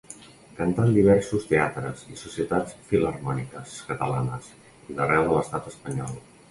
Cantà en diversos teatres i societats filharmòniques catalanes i d'arreu de l'Estat espanyol.